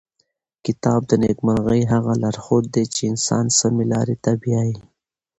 کتاب د نېکمرغۍ هغه لارښود دی چې انسان سمې لارې ته بیايي.